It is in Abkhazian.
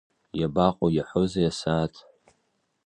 Иабаҟоу, иаҳәозеи асааҭ?